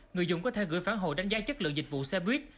người dùng có thể gửi phản hồi đánh giá chất lượng dịch vụ xe buýt